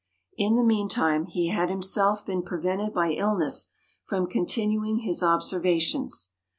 In the meantime, he had himself been prevented by illness from continuing his observations.